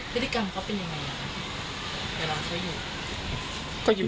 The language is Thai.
พฤติกรรมเขาเป็นอย่างไรนะครับเวลาเขาอยู่